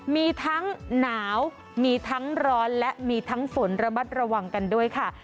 มีทั้งหนาวมีทั้งร้อนและมีทั้งฝนระมัดระวังกันด้วยค่ะ